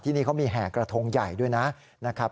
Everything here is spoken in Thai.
นี่เขามีแห่กระทงใหญ่ด้วยนะครับ